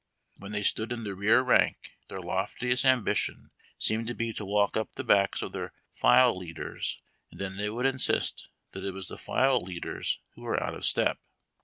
When they stood in the rear rank their loftiest ambition seemed to be to walk up the backs of tlieir file leaders, and then they would insist that it was the file leaders who were out of step.